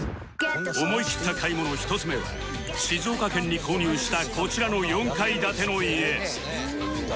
思い切った買い物１つ目は静岡県に購入したこちらの４階建ての家